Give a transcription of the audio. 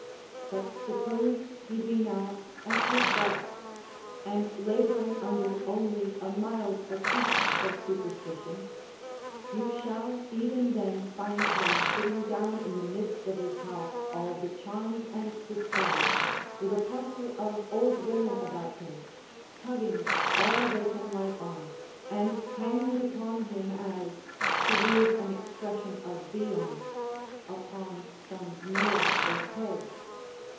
But suppose he be now at his best, and laboring under only a mild attack of superstition ; you shall even then find him sittino; down in the midst of his house all becharmed and bespelled, with a parcel of old Avomen about him, tugging all they can light on, and hanging it upon him as (to use an expression of Bion's) upon some nail or peg.